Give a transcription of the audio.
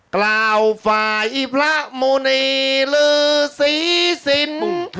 กราวฝ่ายพระมุนีรือศีสิน